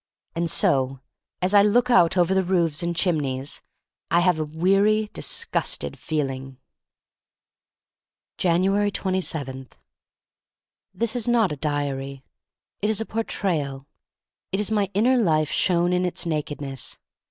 And so, as I look out over the roofs and chimneys, I have a weary, dis gusted feeling. 5anuati? 27. THIS is not a diary. It is a Por trayal. It is my inner life shown in its nakedness.